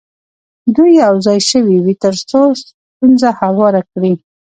دوی یو ځای شوي وي تر څو ستونزه هواره کړي.